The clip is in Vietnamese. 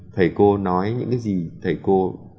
thầy cô nói những cái gì thầy cô